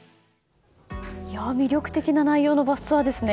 魅力的な内容のバスツアーですね。